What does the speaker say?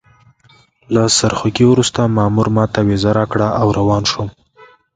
له سرخوږي وروسته مامور ماته ویزه راکړه او روان شوم.